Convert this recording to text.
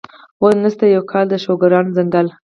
اوس نشته، یو کال یې د شوکران ځنګل.